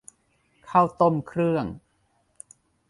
ข้าวต้มเครื่อง